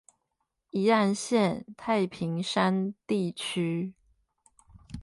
宜蘭縣太平山地區